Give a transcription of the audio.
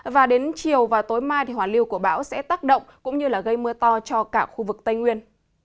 và đến chiều và tối mai hoàn lưu của bão sẽ tác động cũng như gây mưa to cho cả khu vực tây nguyên